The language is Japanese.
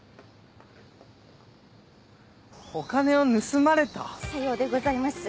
お金を盗まれた⁉さようでございます。